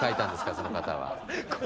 その方は。